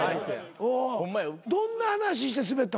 どんな話してスベった？